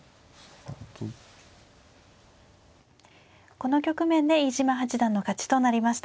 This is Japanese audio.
この局面で飯島八段の勝ちとなりました。